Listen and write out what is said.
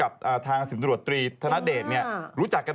และประมาณนั้นทุกอย่าง